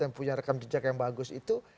dan punya rekam jejak yang bagus itu